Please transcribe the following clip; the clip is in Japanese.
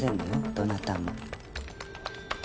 どなたも。